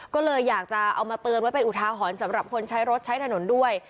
ก็เลยอยากจะเอามาเตือนไว้เป็นอุทาหรณ์สำหรับคนใช้รถใช้ถนนด้วย